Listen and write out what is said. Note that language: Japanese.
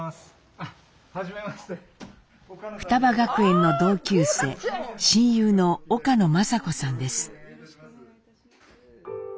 雙葉学園の同級生親友の岡野まさ子さんです。